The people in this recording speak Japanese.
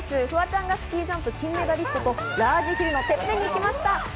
フワちゃんがスキージャンプ金メダリストとラージヒルのてっぺんに行きました。